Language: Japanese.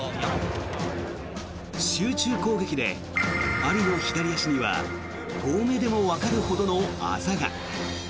集中攻撃でアリの左足には遠目でもわかるほどのあざが。